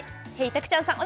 たくちゃんさん